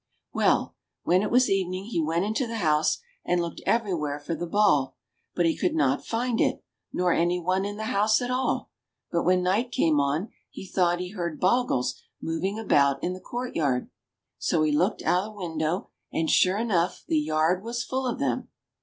Well ! when it was evening, he went into the house, and looked ever3rwhere for the ball, but he could not find it, nor any one in the house at all ; but when night came on he thought he heard bogles moving about in the courtyard ; so he looked out o' window, and, sure enough, the yard was full of them